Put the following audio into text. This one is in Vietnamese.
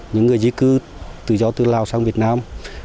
những người di cư tự do từ lào sang việt nam